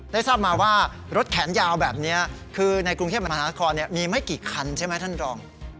ทราบมาว่ารถแขนยาวแบบนี้คือในกรุงเทพมหานครมีไม่กี่คันใช่ไหมท่านรอง